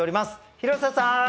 廣瀬さん！